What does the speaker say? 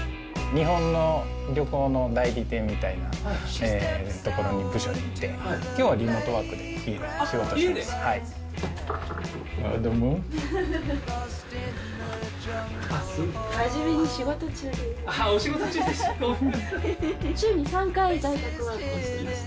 日本の旅行の代理店みたいなところの部署にいて、きょうはリモートワークで、家で仕事してます。